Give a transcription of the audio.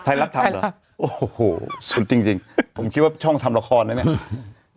ไทยรัฐทำเหรอโอ้โหสุดจริงจริงผมคิดว่าช่องทำละครนะเนี่ย